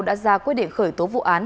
đã ra quyết định khởi tố vụ án